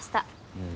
うん。